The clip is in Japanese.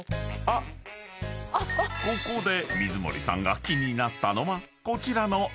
［ここで水森さんが気になったのはこちらの］